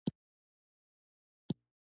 د ښاپورو ښار.